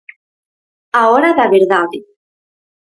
A hora da verdade.